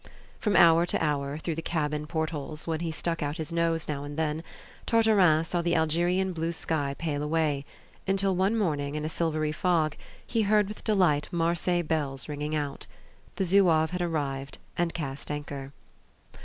From hour to hour, through the cabin portholes, where he stuck out his nose now and then, Tartarin saw the Algerian blue sky pale away; until one morning, in a silvery fog, he heard with delight Marseilles bells ringing out. The Zouave had arrived and cast anchor.